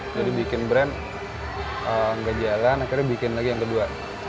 bikin brand nggak jalan akhirnya bikin lagi yang kedua